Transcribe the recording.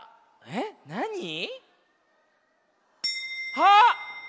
あっ！